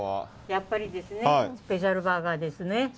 やっぱりですねスペシャルバーガー。